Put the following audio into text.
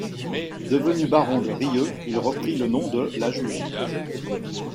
Devenu baron de Rieux, il reprit le nom de La Jugie.